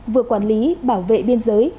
vừa quản lý bảo vệ biên giới